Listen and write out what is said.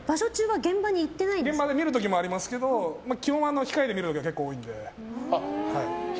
現場で見る時もありますけど基本控え室で見るのが多いので。